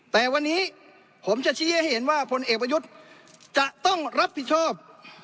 แต่วันนี้ผมจะชี้ให้เห็นว่าพลเอกประยุทธ์จะต้องรับผิดชอบ